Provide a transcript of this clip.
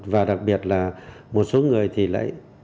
và đặc biệt là một số người thì lại